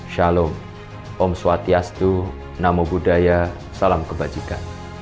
shalom om swatiastu namo buddhaya salam kebajikan